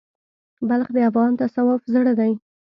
بلخ د افغان تصوف زړه دی.